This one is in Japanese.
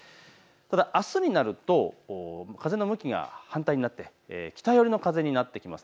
ただあすになると風の向きが反対になって北寄りの風になってきます。